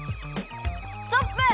ストップ！